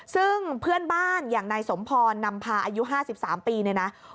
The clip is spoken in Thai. ซึ่งเพื่อนบ้านอย่างนายสมพรนำพาอายุ๕๓ปีเนี่ยนะ